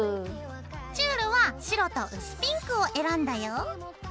チュールは白と薄ピンクを選んだよ。